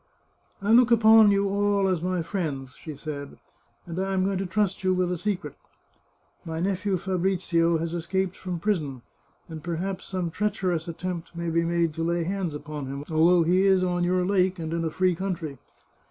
" I look upon you all as my friends," she said, " and I am going to trust you with a secret. My nephew Fabrizio has escaped from prison, and perhaps some treacherous at tempt may be made to lay hands upon him, although he is on your lake, and in a free country.